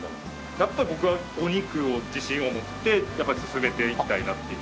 やっぱり僕はお肉を自信を持ってやっぱり薦めていきたいなっていう。